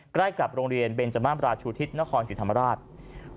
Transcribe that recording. ใกล้กับโรงเรียนเบนจมราชูทิศนครศรีธรรมราช